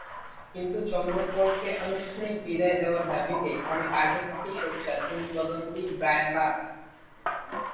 কিন্তু চন্দরপলকে আনুষ্ঠানিক বিদায় দেওয়ার দাবিতে অনেক আগে থেকেই সোচ্চার কিংবদন্তি ব্রায়ান লারা।